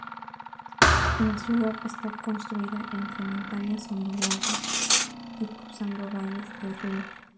La ciudad está construida entre montañas onduladas y cruzando valles de ríos.